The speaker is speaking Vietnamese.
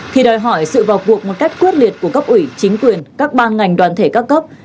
thì đòi hỏi sự vào cuộc một cách quyết liệt của cấp ủy chính quyền các ban ngành đoàn thể các cấp